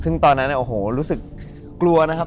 ซึ่งตอนนั้นโอ้โหรู้สึกกลัวนะครับ